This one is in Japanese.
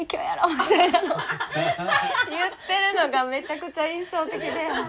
みたいな言ってるのがめちゃくちゃ印象的で。